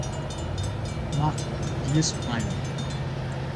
Mar de Espanha